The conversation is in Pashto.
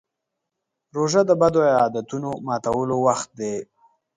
روژه د بدو عادتونو ماتولو وخت دی.